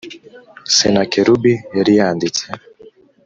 Senakeribu yari yanditse